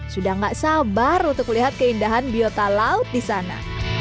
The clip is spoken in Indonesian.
sudah gak sabar untuk melihat keindahan biota laut di sana